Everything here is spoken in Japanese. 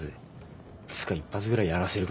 つうか一発ぐらいやらせるかもな。